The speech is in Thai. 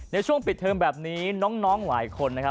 ในช่วงปิดเทอมแบบนี้น้องหลายคนนะครับ